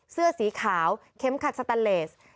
เสื้อสีขาวเข็มขัดสตันเลส